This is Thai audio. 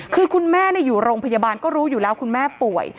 คือคุณแม่อยู่โรงพยาบาลก็รู้อยู่แล้วคุณแม่ป่วย